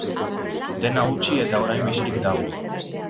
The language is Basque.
Dena utzi, eta orain bizirik dago.